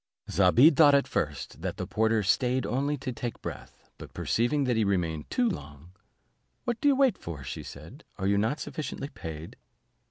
Zobeide thought at first, that the porter staid only to take breath, but perceiving that he remained too long, "What do you wait for," said she, "are you not sufficiently paid?"